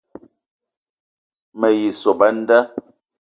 Me ye sop a nda